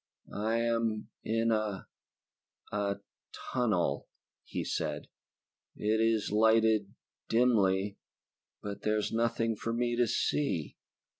"I am in a ... a ... tunnel," he said. "It is lighted, dimly, but there is nothing for me to see."